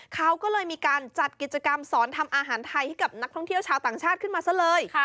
เขาก็เลยมีการจัดกิจกรรมสอนทำอาหารไทยให้กับนักท่องเที่ยวชาวต่างชาติขึ้นมาซะเลย